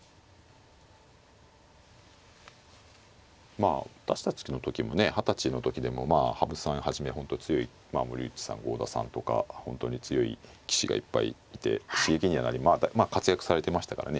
まあ私たちの時もね二十歳の時でもまあ羽生さんはじめ本当に強い森内さん郷田さんとか本当に強い棋士がいっぱいいて活躍されてましたからね